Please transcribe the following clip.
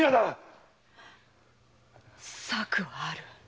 策はある。